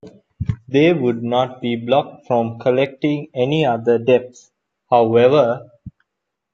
They would not be blocked from collecting any "other" debts, however.